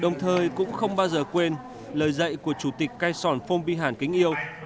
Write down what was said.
chúng tôi cũng không bao giờ quên lời dạy của chủ tịch cai sòn phong bi hàn kính yêu